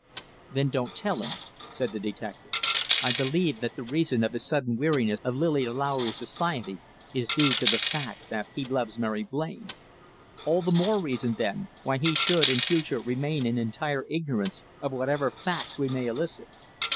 "Then don't tell him," said the detective. "I believe that the reason of his sudden weariness of Lily Lowry's society is due to the fact that he loves Mary Blain." "All the more reason, then, why he should in future remain in entire ignorance of whatever facts we may elicit."